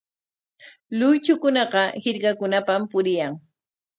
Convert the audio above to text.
Luychukunaqa hirkakunapam puriyan.